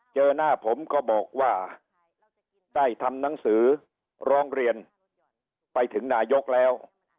เจอหน้าผมก็บอกว่าได้ทำหนังสือร้องเรียนไปถึงนายกแล้ว